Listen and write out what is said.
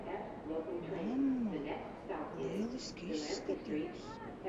Mamma, lieliski izskaties.